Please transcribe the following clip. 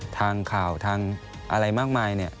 ทางข่าวทางอะไรมากมายเนี่ย